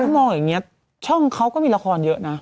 มองอย่างนี้ช่องเขาก็มีละครเยอะนะ